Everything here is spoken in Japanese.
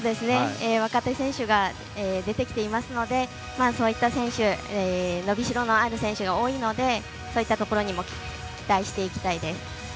若手選手が出てきていますので伸びしろのある選手が多いのでそういったところにも期待していきたいです。